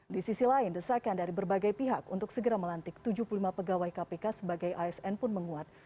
di sisi lain desakan dari berbagai pihak untuk segera melantik tujuh puluh lima pegawai kpk sebagai asn pun menguat